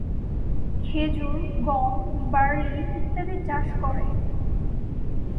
খেজুর, গম, বার্লি ইত্যাদি চাষ করে।